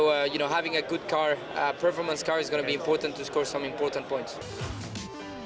jadi memiliki mobil yang baik mobil performa yang baik akan menjadi penting untuk menangkan beberapa poin penting